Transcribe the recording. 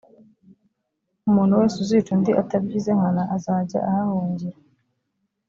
umuntu wese uzica undi atabigize nkana, azajya ahahungira.